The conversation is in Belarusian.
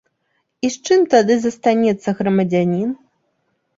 І з чым тады застанецца грамадзянін?